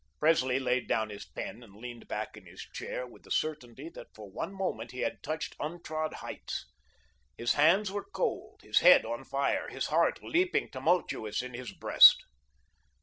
Presley laid down his pen and leaned back in his chair, with the certainty that for one moment he had touched untrod heights. His hands were cold, his head on fire, his heart leaping tumultuous in his breast.